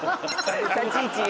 立ち位置。